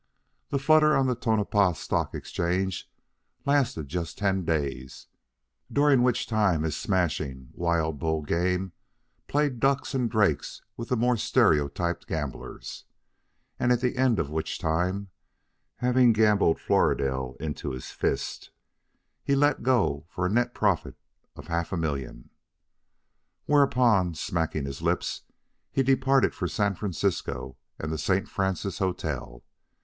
The flutter on the Tonopah Stock Exchange lasted just ten days, during which time his smashing, wild bull game played ducks and drakes with the more stereotyped gamblers, and at the end of which time, having gambled Floridel into his fist, he let go for a net profit of half a million. Whereupon, smacking his lips, he departed for San Francisco and the St. Francis Hotel.